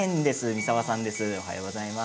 三澤さんです。